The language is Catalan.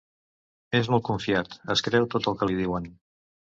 És molt confiat, es creu tot el que li diuen.